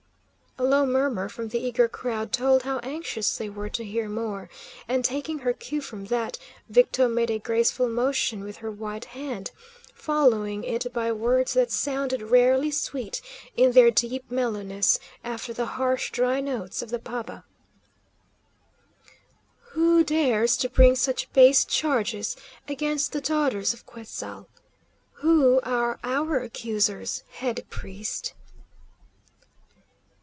A low murmur from the eager crowd told how anxious they were to hear more, and, taking her cue from that, Victo made a graceful motion with her white hand, following it by words that sounded rarely sweet in their deep mellowness, after the harsh, dry notes of the paba. "Who dares to bring such base charges against the Daughters of Quetzal'? Who are our accusers, head priest?"